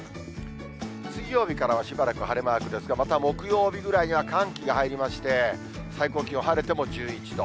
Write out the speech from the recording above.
水曜日からはしばらく晴れマークですが、また木曜日ぐらいには寒気が入りまして、最高気温、晴れても１１度。